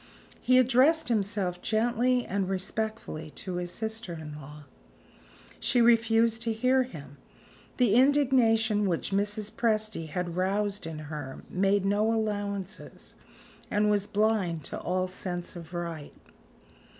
He addressed himself gently and respectfully to his sister in law. She refused to hear him. The indignation which Mrs. Presty had roused in her made no allowances, and was blind to all sense of right.